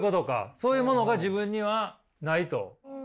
そういうものが自分にはないと？